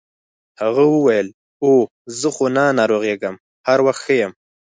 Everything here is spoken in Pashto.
هغه وویل اوه زه خو نه ناروغیږم هر وخت ښه یم.